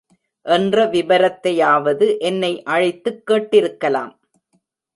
என்ற விபரத்தையாவவது என்னை அழைத்துக் கேட்டிருக்கலாம்.